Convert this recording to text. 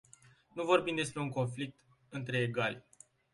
Nu vorbim despre un conflict între egali.